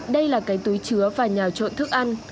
đây là cái túi chứa và nhào trộn thức ăn